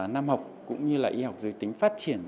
năm học cũng như là y học giới tính phát triển